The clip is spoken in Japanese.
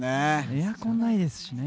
エアコンがないですしね。